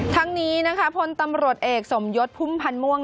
ทั้งนี้นะคะพลตำรวจเอกสมยศพุ่มพันธ์ม่วง